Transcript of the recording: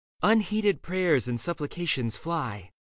Unheeded prayers and supplications fly.